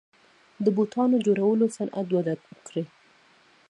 د بوټانو جوړولو صنعت وده کړې